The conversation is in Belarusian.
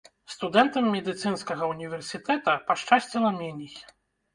Студэнтам медыцынскага універсітэта пашчасціла меней.